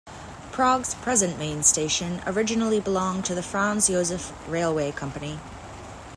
Prague's present main station originally belonged to the Franz Josef Railway company.